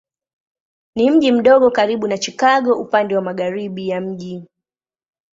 Ni mji mdogo karibu na Chicago upande wa magharibi ya mji.